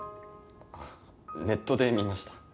あっネットで見ました。